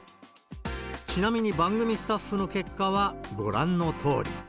ちなみに番組スタッフの結果はご覧のとおり。